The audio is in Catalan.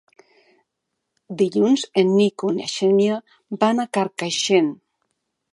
Dilluns en Nico i na Xènia van a Carcaixent.